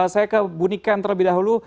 saya ke bunikan terlebih dahulu